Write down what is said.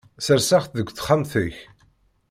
Serseɣ-tt deg texxamt-ik.